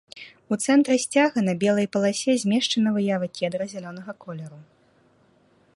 У цэнтры сцяга на белай паласе змешчана выява кедра зялёнага колеру.